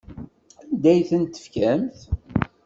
Anda ay ten-tefkamt?